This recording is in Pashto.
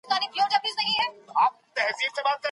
دغه ماشوم زما د پاتې ژوند تر ټولو لوی ازمېښت دی.